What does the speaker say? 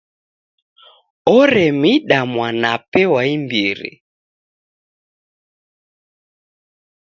Oremida mwanape wa imbiri.